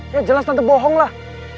ya jelas nanti bohong lah